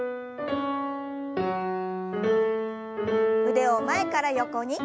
腕を前から横に。